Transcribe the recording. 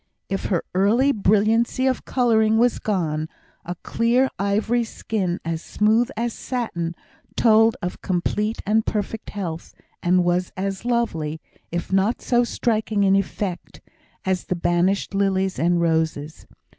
If her early brilliancy of colour was gone, a clear ivory skin, as smooth as satin, told of complete and perfect health, and was as lovely, if not so striking in effect, as the banished lilies and roses.